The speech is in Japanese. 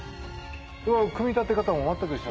組み立て方も全く一緒？